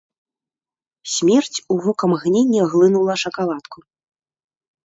Смерць у вокамгненне глынула шакаладку.